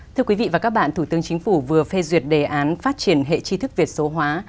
thưa quý vị và các bạn thủ tướng chính phủ vừa phê duyệt đề án phát triển hệ chi thức việt số hóa